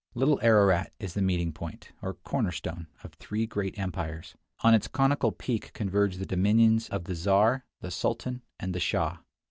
Little Ararat is the meeting point, or corner stone, of three great empires. On its conical peak converge the dominions of the Czar, the Sultan, and the Shah.